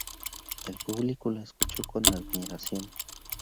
El público la escuchó con admiración.